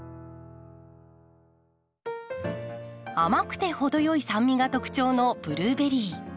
甘くて程よい酸味が特徴のブルーベリー。